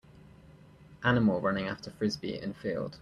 Animal running after Frisbee in field.